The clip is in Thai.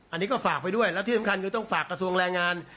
อันนี้ก็ฝากไปด้วยแล้วที่สำคัญคือต้องฝากกระทรวงแรงงาน